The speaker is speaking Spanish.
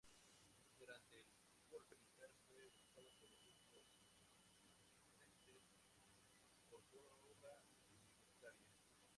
Durante el Golpe Militar fue buscado por los grupos castrenses por su obra libertaria.